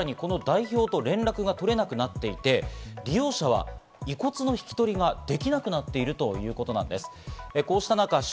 さらにこの代表と連絡が取れなくなっていて利用者は遺骨の引き取りができなくなっているということなんです。